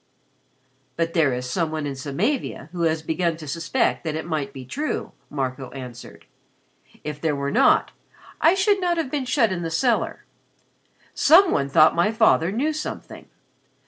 "But there is some one in Samavia who has begun to suspect that it might be true," Marco answered. "If there were not, I should not have been shut in the cellar. Some one thought my father knew something.